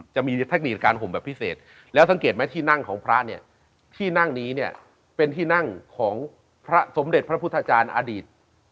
จะมีเทคนิคการห่มแบบพิเศษแล้วสังเกตไหมที่นั่งของพระเนี่ยที่นั่งนี้เนี่ยเป็นที่นั่งของพระสมเด็จพระพุทธจารย์อดีต